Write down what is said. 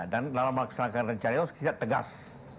dan dalam melaksanakan rencana itu kita tegas